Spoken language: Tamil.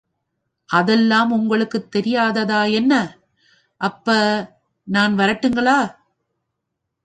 அதெல்லாம் உங்களுக்குத் தெரியாததா என்ன... அப்ப... நான் வரட்டுங்களா?